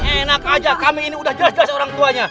enak aja kami ini udah jelas jas orang tuanya